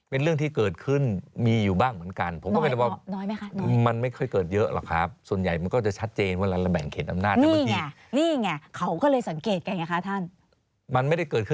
เป็นเรื่องที่เกิดขึ้นมีอยู่บ้างเหมือนกัน